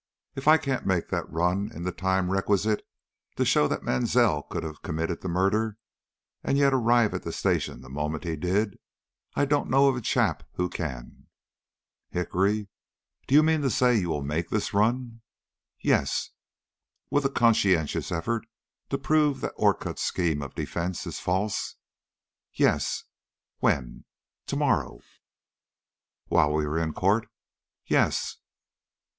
If I can't make that run in the time requisite to show that Mansell could have committed the murder, and yet arrive at the station the moment he did, I don't know of a chap who can." "Hickory, do you mean to say you will make this run?" "Yes." "With a conscientious effort to prove that Orcutt's scheme of defence is false?" "Yes." "When?" "To morrow." "While we are in court?" "Yes."